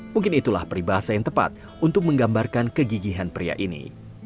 mungkin itulah peribahasa yang tepat untuk menggambarkan kegigihan pria ini